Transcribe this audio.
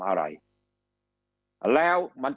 คำอภิปรายของสอสอพักเก้าไกลคนหนึ่ง